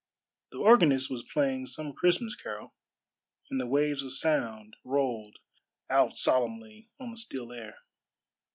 The organist was playing some Christmas carol, and the waves of sound rolled out solemnly on the still air.